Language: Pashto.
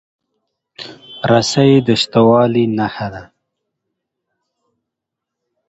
رسۍ د شته والي نښه ده.